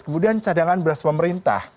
kemudian cadangan beras pemerintah